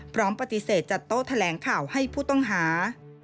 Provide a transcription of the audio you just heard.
พร้อมปฏิเสธจัดโต๊ะแถลงข่าวให้ผู้ต้องหา